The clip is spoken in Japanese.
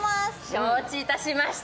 承知いたしました。